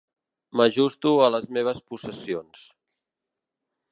M'ajusto a les meves possessions.